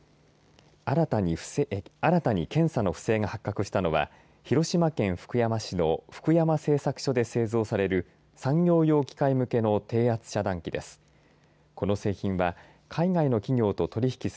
新たに検査の不正が発覚したのは広島県福山市の福山製作所で製造される産業用機械向けの低圧遮断器です。